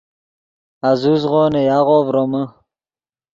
آزوزغو نے یاغو ڤرومے